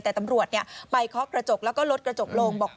แต่ตำรวจไปเคาะกระจกแล้วก็ลดกระจกลงบอก